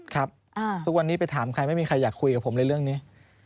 ครับทุกวันนี้ไปถามใครไม่มีใครอยากคุยกับผมเลยเรื่องนี้